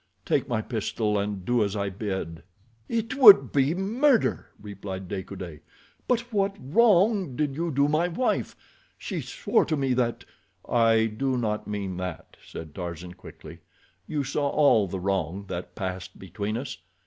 Take my pistol and do as I bid." "It would be murder," replied De Coude. "But what wrong did you do my wife? She swore to me that—" "I do not mean that," said Tarzan quickly. "You saw all the wrong that passed between us.